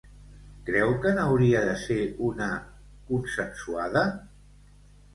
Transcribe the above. Creu que n'hauria de ser una consensuada?